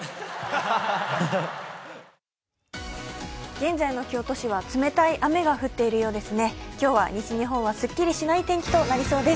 現在の京都市は冷たい雨が降ってるようですね。